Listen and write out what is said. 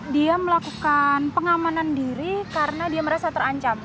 dia melakukan pengamanan diri karena dia merasa terancam